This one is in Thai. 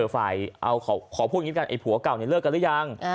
ฝ่ายขอพูดอย่างนี้กันไอ้ผัวเก่าเนี่ยเลิกกันหรือยัง